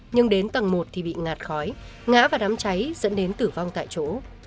nhưng đến tầng một thì bị ngạt khói ngã vào đám cháy dẫn đến tử vong tại chỗ